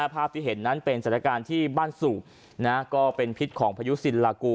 ภาพที่เห็นนั้นเป็นสถานการณ์ที่บ้านสูบก็เป็นพิษของพายุสินลากู